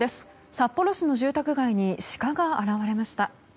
札幌市の住宅街にシカが現れました。